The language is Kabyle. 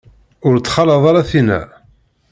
Ur ttxalaḍ ara tinna.